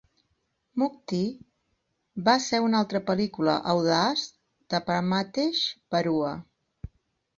Mukti va ser una altra pel·lícula audaç de Pramathesh Barua.